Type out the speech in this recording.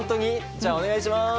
じゃあお願いします！